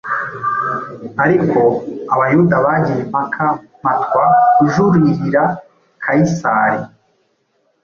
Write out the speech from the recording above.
Ariko Abayuda bagiye impaka, mpatwa kujuririra Kayisari,